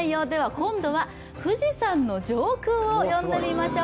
今度は富士山の上空を呼んでみましょう。